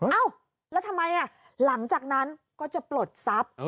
เอ้าแล้วทำไมหลังจากนั้นก็จะปลดทรัพย์